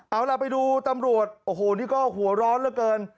เอาล่ะไปดูตำรวจโอ้โหนี่ก็หัวร้อนเหลือเกิน